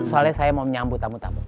soalnya saya mau menyambut tamu tamu